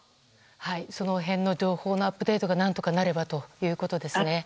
その辺の情報のアップデートが何とかなればということですね。